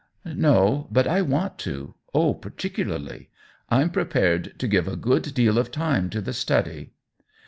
No, but I want to — oh, particularly. Vm prepared to give a good deal of time to the study."